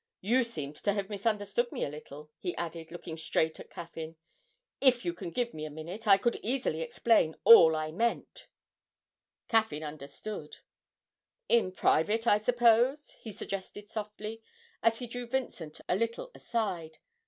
You seem to have misunderstood me a little,' he added, looking straight at Caffyn. 'If you can give me a minute I could easily explain all I meant.' Caffyn understood. 'In private, I suppose?' he suggested softly, as he drew Vincent a little aside.